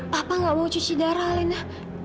papa nggak mau cuci darah lena